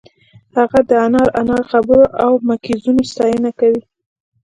هغه د انار انار خبرو او مکیزونو ستاینه کوي